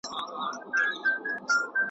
له خپل ایمان له خپل وجدانه ګوښه .